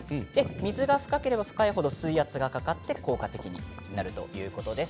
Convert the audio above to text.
水が深ければ深い程水圧がかかって効果的になるということです。